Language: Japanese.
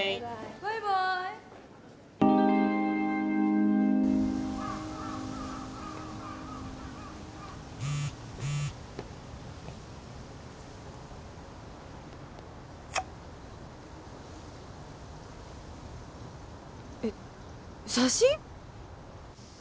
バイバーイえっ写真！？